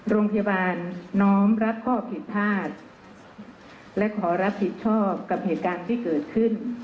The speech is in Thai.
โรงพยาบาลน้อมรับข้อผิดพลาดและขอรับผิดชอบกับเหตุการณ์ที่เกิดขึ้น